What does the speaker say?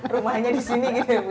rumahnya di sini gitu ya bu ya